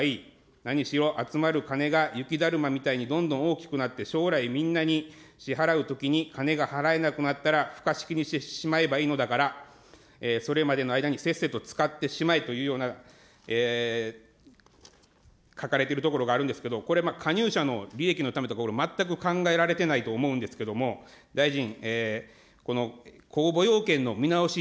何しろ集まる金が雪だるまみたいにどんどん大きくなって、将来、みんなに支払うときに金が払えなくなったらふか式にしてしまえばいいのだから、それまでの間にせっせと使ってしまえというような、書かれているところがあるんですけど、これ、加入者の利益のためとか、全く考えられていないと思うんですけども、大臣、この公募要件の見直し